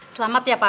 selamat ya pak